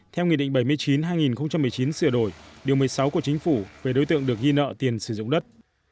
theo nghị định bảy mươi chín hai nghìn một mươi chín sửa đổi điều một mươi sáu của chính phủ về đối tượng được ghi nợ tiền sử dụng đất